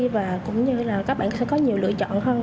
và cũng như là các bạn sẽ có nhiều lựa chọn hơn